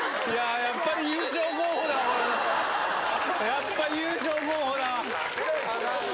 やっぱ優勝候補だわ。